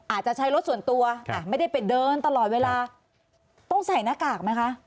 อาจจะใช้รถส่วนตัวไม่ได้ไปเดินตลอดเวลาต้องใส่หน้ากากไหมคะ